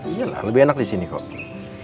iya lah lebih enak di sini kok